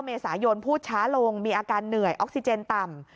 เมษายนพูดช้าลงมีอาการเหนื่อยออกซิเจนต่ำ